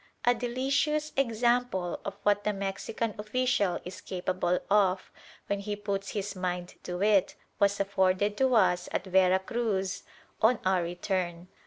A delicious example of what the Mexican official is capable of when he puts his mind to it was afforded to us at Vera Cruz on our return.